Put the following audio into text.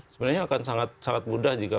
sebenarnya akan sangat mudah jika